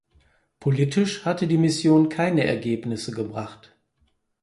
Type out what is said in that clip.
Politisch hatte die Mission keine Ergebnisse gebracht.